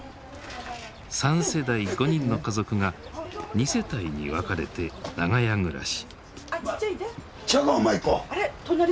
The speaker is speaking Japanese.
３世代５人の家族が２世帯に分かれて長屋暮らし。